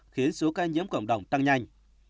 khiến số ca nhiễm cộng đồng tăng nhanh